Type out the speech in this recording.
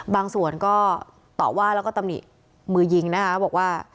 บางส่วนก็ต่อว่าแล้วก็ตำหนิมือยิงนะคะบอกว่า